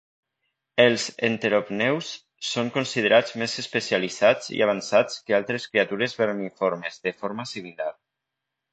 Els enteropneusts són considerats més especialitzats i avançats que altres criatures vermiformes de forma similar.